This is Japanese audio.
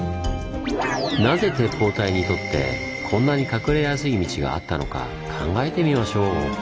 なぜ鉄砲隊にとってこんなに隠れやすい道があったのか考えてみましょう。